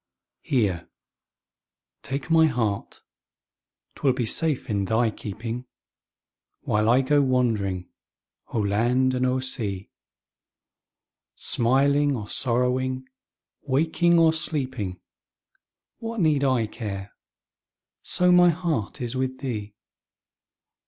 Here, take my heart 'twill be safe in thy keeping, While I go wandering o'er land and o'er sea; Smiling or sorrowing, waking or sleeping, What need I care, so my heart is with thee?